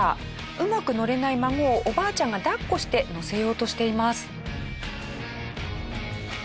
うまく乗れない孫をおばあちゃんが抱っこして乗せようとしています。